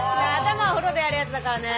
お風呂でやるやつだからね。